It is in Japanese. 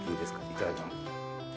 いただきます。